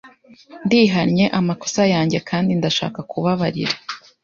Ndihannye amakosa yanjye kandi ndashaka kubabarira